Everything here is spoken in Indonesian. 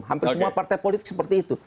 hampir semua partai politik seperti itu